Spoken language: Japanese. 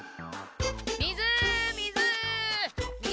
水水！